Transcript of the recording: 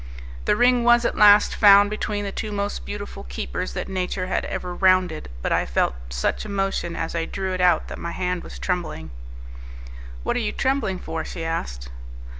The ring was at last found between the two most beautiful keepers that nature had ever rounded, but I felt such emotion as I drew it out that my hand was trembling. "What are you trembling for?" she asked.